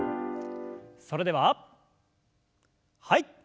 それでははい。